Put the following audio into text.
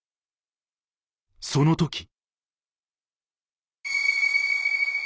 その時。